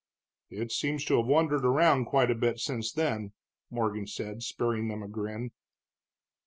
"It seems to have wandered around quite a bit since then," Morgan said, sparing them a grin.